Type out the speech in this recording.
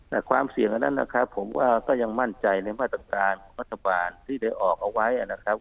แต่ความเสี่ยงอันนั้นนะครับผมก็ยังมั่นใจในมาตรการของรัฐบาลที่ได้ออกเอาไว้นะครับ